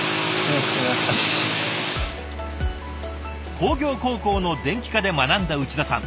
工業高校の電気科で学んだ内田さん。